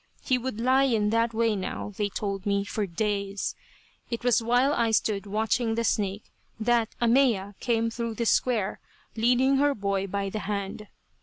He would lie in that way, now, they told me, for days. It was while I stood watching the snake that Ahmeya came through the square, leading her boy by the hand.